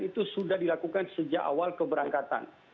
itu sudah dilakukan sejak awal keberangkatan